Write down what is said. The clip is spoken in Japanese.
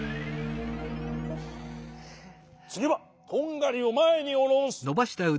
つぎはとんがりをまえにおろす。